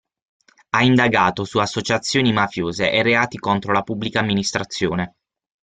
Ha indagato su associazioni mafiose e reati contro la Pubblica Amministrazione.